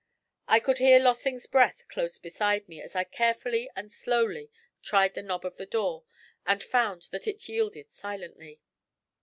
I could hear Lossing's breath close beside me as I carefully and slowly tried the knob of the door and found that it yielded silently.